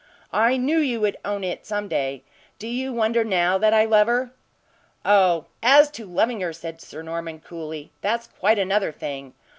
"I knew you would own it some day. Do you wonder now that I love her?" "Oh! as to loving her," said Sir Norman, coolly, "that's quite another thing.